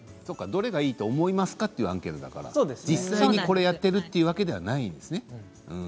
どれがいいと思いますか？というアンケートだから実際にこれをやっているというわけではないんですね。